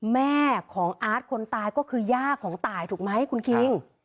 แม่ของอาร์ตคนตายก็คือย่าของตายถูกไหมคุณคิง